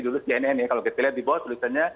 dulu cnn ya kalau kita lihat di bawah tulisannya